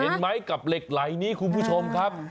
เห็นไหมกับเหล็กไหล่นี้คุณผู้ชมครับ